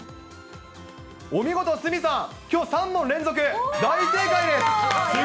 お見事、鷲見さん、きょう、３問連続、大正解です。